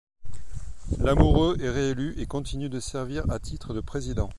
Lamoureux est réélu et continue de servir à titre de Président.